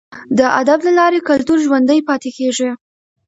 د ادب له لارې کلتور ژوندی پاتې کیږي.